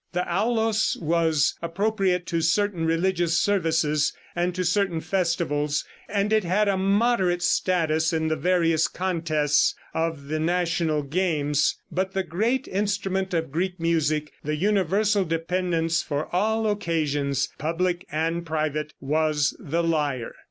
The aulos was appropriate to certain religious services and to certain festivals, and it had a moderate status in the various contests of the national games, but the great instrument of Greek music, the universal dependence for all occasions, public and private, was the lyre.